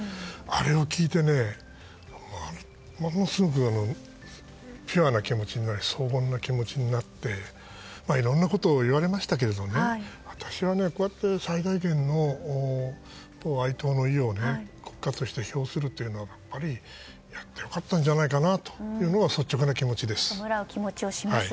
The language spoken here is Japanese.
あれを聞いてものすごくピュアな気持ちになり荘厳な気持ちになっていろんなことを言われましたけど私は、こうやって最大限の哀悼の意を表するというのはやっぱりやってよかったんじゃないのかなというのが率直な気持ちです。